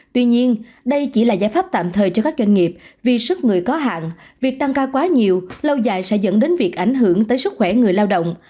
tuy nhiên đây chỉ là giải pháp tạm thời cho các doanh nghiệp vì sức người có hạn việc tăng ca quá nhiều lâu dài sẽ dẫn đến việc ảnh hưởng tới sức khỏe người lao động